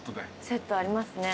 セットありますね。